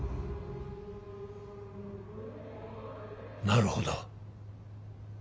なるほど。